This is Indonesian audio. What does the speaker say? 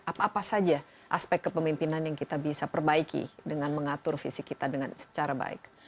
apa apa saja aspek kepemimpinan yang kita bisa perbaiki dengan mengatur visi kita dengan secara baik